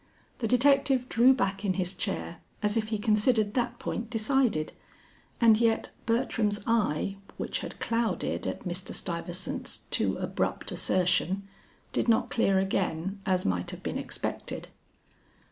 The detective drew back in his chair as if he considered that point decided, and yet Bertram's eye which had clouded at Mr. Stuyvesant's too abrupt assertion, did not clear again as might have been expected.